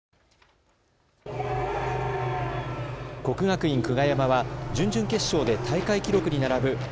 国学院久我山は準々決勝で大会記録に並ぶ